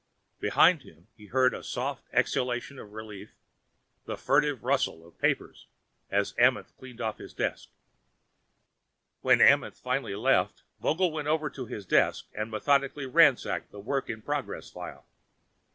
Behind him he heard a soft exhalation of relief, the furtive rustle of papers as Amenth cleaned off his desk. When Amenth finally left, Vogel went over to his desk and methodically ransacked the work in process file.